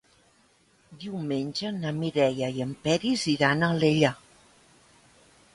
Diumenge na Mireia i en Peris iran a Alella.